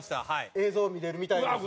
映像見れるみたいです。